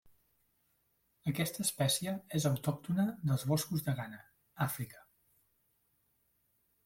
Aquesta espècie és autòctona dels boscos de Ghana, Àfrica.